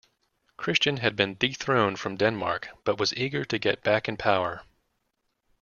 Christian had been dethroned from Denmark, but was eager to get back in power.